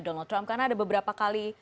donald trump karena ada beberapa kali